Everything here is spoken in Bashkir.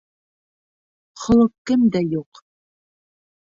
Холоҡ кемдә юҡ?!